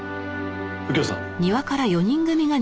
右京さん。